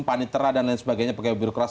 panitera dan lain sebagainya